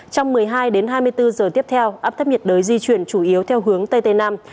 trong một mươi hai đến hai mươi bốn giờ tiếp theo áp thấp nhiệt đới di chuyển chủ yếu theo hướng tây tây nam